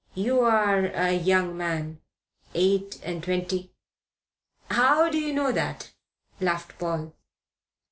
You are a young man, eight and twenty " "How do you know that?" laughed Paul.